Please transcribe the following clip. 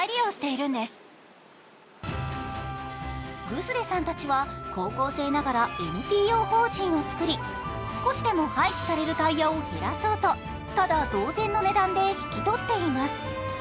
グスデさんたちは高校生ながらＮＰＯ法人をつくり少しでも廃棄されるタイヤを減らそうと、ただ同然の値段で引き取っています。